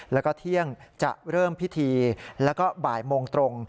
แล้วก็เที่ยงจะเริ่มพิธีแล้วก็บ่ายโมงตรง